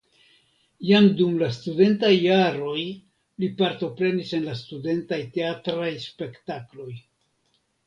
Jam dum la studentaj jaroj li partoprenis en la studentaj teatraj spektakloj.